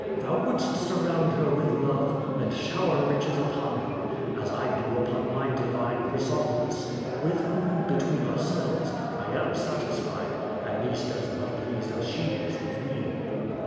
Thou wouldst surround her with love, and shower riches upon her, as I do upon my divine Chrysothcmis, with whom, betw'een ourselv^ I am satisfied — at least, as well pleased as she is with me.'